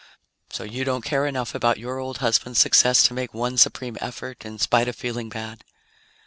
"So you don't care enough about your old husband's success to make one supreme effort in spite of feeling bad?"